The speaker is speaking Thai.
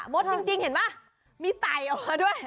ดจริงเห็นไหมมีไต่ออกมาด้วย